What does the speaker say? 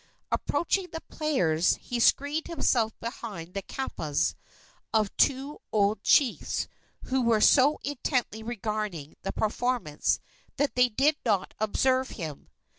Approaching the players, he screened himself behind the kapas of two old chiefs who were so intently regarding the performance that they did not observe him.